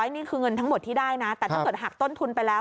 นี่คือเงินทั้งหมดที่ได้นะแต่ถ้าเกิดหักต้นทุนไปแล้ว